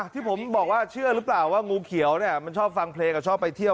ที่ผมบอกว่าเชื่อหรือเปล่าว่างูเขียวเนี่ยมันชอบฟังเพลงกับชอบไปเที่ยว